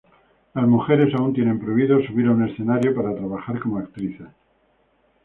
Las mujeres aún tienen prohibido subir a un escenario para trabajar como actrices.